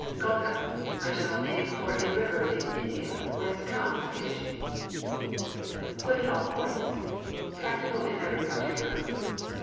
GONGA. A general name for a river in India, whence comes Ganges. GOOD AT ALL POINTS. Practical in every particular.